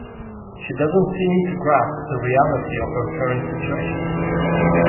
She doesn't seem to grasp the reality of her current situation.